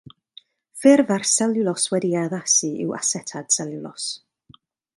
Ffurf ar seliwlos wedi'i addasu yw asetad seliwlos.